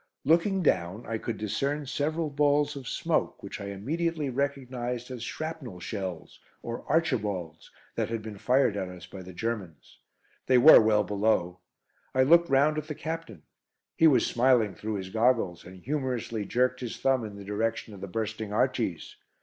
Looking down, I could discern several balls of smoke, which I immediately recognised as shrapnel shells, or "Archibalds," that had been fired at us by the Germans. They were well below. I looked round at the Captain. He was smiling through his goggles, and humorously jerked his thumb in the direction of the bursting "Archies."